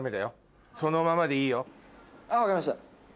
分かりました。